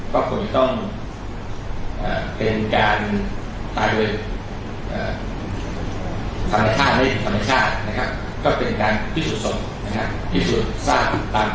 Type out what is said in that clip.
ก็ควรต้องเป็นการตายด้วยธรรมดาคาไม่ได้ถูกธรรมดาคา